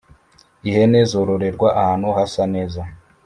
ihene zororerwa ahantu hasa neza